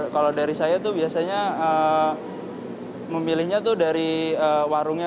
kalau dari saya itu biasanya memilihnya dari warungnya